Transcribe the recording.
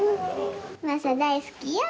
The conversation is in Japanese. マサ、大好きよ。